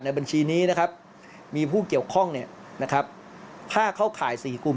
บัญชีนี้นะครับมีผู้เกี่ยวข้องถ้าเข้าข่าย๔กลุ่ม